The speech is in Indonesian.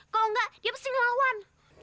kalau enggak dia mesti ngelawan